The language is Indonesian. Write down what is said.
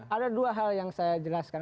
ada dua hal yang saya jelaskan